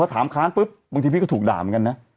ถามค้านปุ๊บบางทีพี่ก็ถูกด่าเหมือนกันนะ